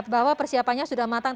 bahwa persiapannya sudah matang